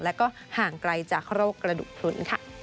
และห่างไกลจากโรคกระดูกพลุน